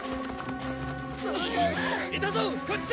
いたぞこっちだ！